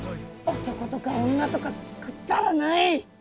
男とか女とかくだらない！